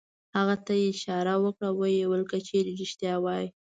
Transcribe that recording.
هغه ته یې اشاره وکړه او ویې ویل: که چېرې رېښتیا وایې.